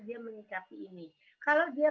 dia menyikapi ini kalau dia